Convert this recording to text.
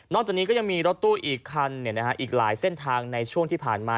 จากนี้ก็ยังมีรถตู้อีกคันอีกหลายเส้นทางในช่วงที่ผ่านมา